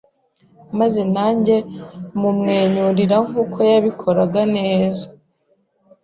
maze nanjye mumwenyurira nkuko yabikoraga neza.